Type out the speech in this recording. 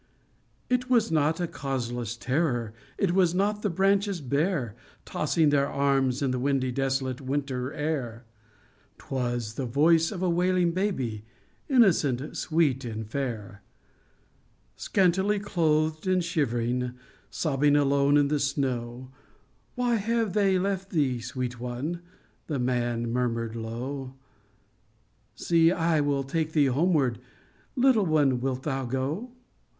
It was not a causeless terror, it was not the branches bare, Tossing their arms in the windy and desolate win ter air ; 'Twas the voice of a wailing baby, innocent, sweet and fair. " Scantily clothed and shivering, sobbing alone in the snow, Why have they left thee, sweet one ?" the old man murmured low. " See, I will take thee homeward ! Little one, wilt thou go